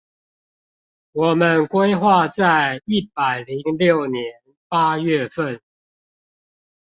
我們規劃在一百零六年八月份